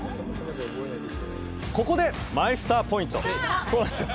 ここでマイスターポイントきた！